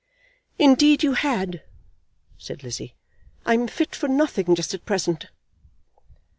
"Indeed you had," said Lizzie. "I'm fit for nothing just at present."